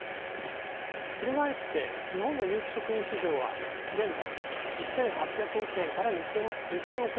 翻って日本の有機食品市場は現在１，８００億円から２，０００億円規模と見込まれています。